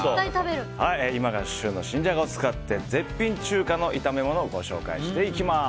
今が旬の新ジャガを使って絶品中華の炒め物を紹介していきます。